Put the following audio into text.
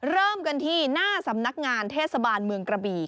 เริ่มกันที่หน้าสำนักงานเทศบาลเมืองกระบี่